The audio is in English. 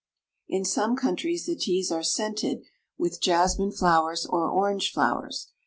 In some countries the teas are scented with jasmine flowers or orange flowers.